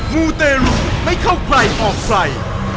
มูเตรุไม่เข้าใครออกใคร